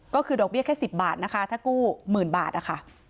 ก็คือดอกเบี้ยแค่๑๐บาทนะคะถ้ากู้หมื่นบาทนะคะ